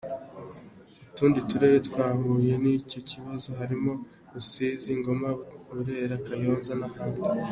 Utundi turere twahuye n’icyo kibazo harimo, Rusizi, Ngoma, Burera, Kayonza n’ahandi.